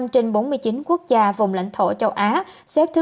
trên bốn mươi chín quốc gia vùng lãnh thổ châu á xếp thứ bốn